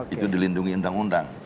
itu dilindungi undang undang